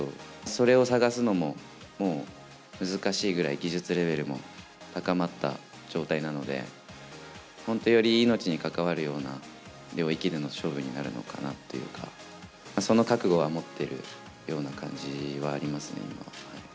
それを探すのももう難しいぐらい、技術レベルも高まった状態なので、本当、より命に関わるような領域での勝負になるのかなっていうか、その覚悟は持ってるような感じはありますね、今は。